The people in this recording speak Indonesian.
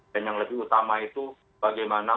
dan yang lebih utama itu bagaimana